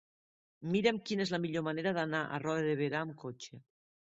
Mira'm quina és la millor manera d'anar a Roda de Berà amb cotxe.